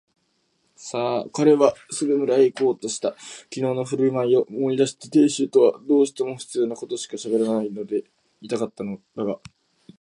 彼はすぐ村へいこうとした。きのうのふるまいを思い出して亭主とはどうしても必要なことしかしゃべらないでいたのだったが、